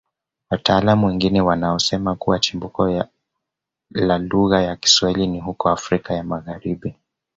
Wataalamu wengine wanaosema kuwa chimbuko la lugha ya Kiswahili ni huko Afrika ya Magharibi